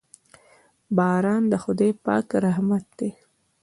باران د خداے پاک رحمت دے